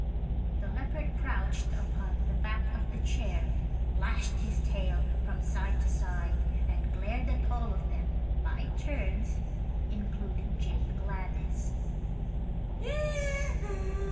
The leopard crouched upon the back of the chair, lashed his tail from side to side and glared at all of them, by turns, including Jane Gladys.